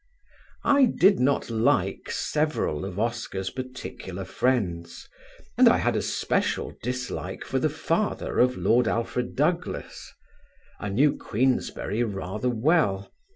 I did not like several of Oscar's particular friends, and I had a special dislike for the father of Lord Alfred Douglas. I knew Queensberry rather well.